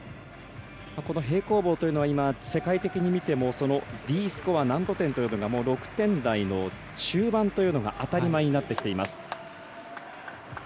この平行棒というは今世界的に見てもＥスコア、難度点というのが６点台の中盤というのが当たり前になってきています。